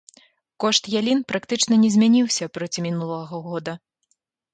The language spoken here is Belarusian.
Кошт ялін практычна не змяніўся проці мінулага года.